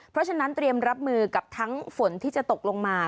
เพราะฉะนั้นเตรียมรับมือกับทั้งฝนที่จะตกลงมา